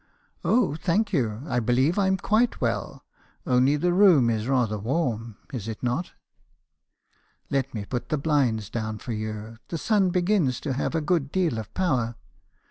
"' Oh, thank you, I believe I'm quite well; only the room is rather warm , is it not?' " 'Let me put the blinds down for you; the sun begins to have a good deal of power.'